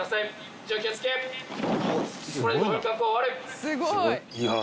すごい。